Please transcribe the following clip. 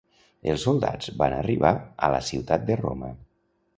Els soldats van arribar a la ciutat de Roma.